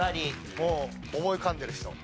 もう思い浮かんでる人。